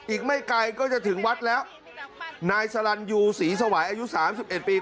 อีกไม่ไกลก็จะถึงวัดแล้วนายสลันยูศรีสวัยอายุสามสิบเอ็ดปี